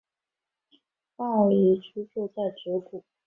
抱嶷居住在直谷。